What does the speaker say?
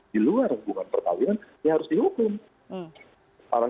di luar hubungan pertahun tahun